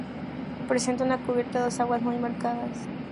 Presenta una cubierta a dos aguas muy marcadas.